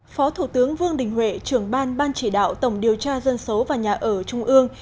phó thủ tướng vương đình huệ trưởng ban ban chỉ đạo tổng điều tra dân số và nhà ở trung ương